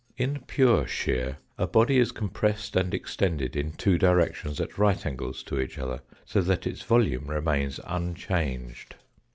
In pure shear a body is compressed and extended in two directions at right angles to each other, so that its volume remains unchanged.